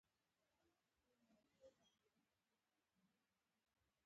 په دې وخت کې شپیته سلنه بالغو کسانو حق ورکړل شو.